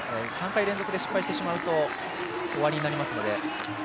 ３回連続で失敗してしまうと、終わりになりますので。